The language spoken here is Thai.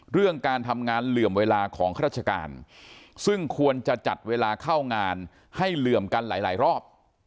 เรื่องการทำงานเหลื่อมเวลาของข้าราชการซึ่งควรจะจัดเวลาเข้างานให้เหลื่อมกันหลายรอบ